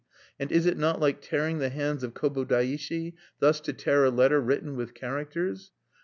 "And is it not like tearing the hands of Kobodaishi, thus to tear a letter written with characters?